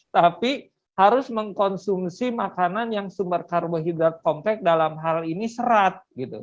tapi harus mengkonsumsi makanan yang sumber karbohidrat komplek dalam hal ini serat gitu